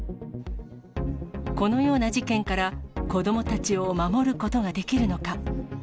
このような事件から子どもたちを守ることができるのか。